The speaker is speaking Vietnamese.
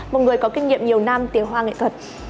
một người có kinh nghiệm nhiều năm tiểu hoa nghệ thuật